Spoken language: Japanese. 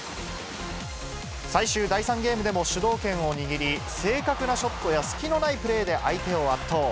最終第３ゲームでも主導権を握り、正確なショットや隙のないプレーで相手を圧倒。